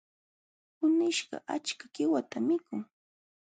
Kunishkaq achka qiwatam mikun.